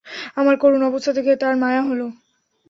আমার করুণ অবস্থা দেখে তার মায়া হল।